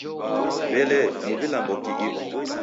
W'elee, ni vilamboki ivo?